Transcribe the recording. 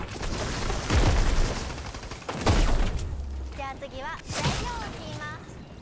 じゃあつぎはざいりょうをきります。